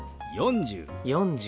「４０」。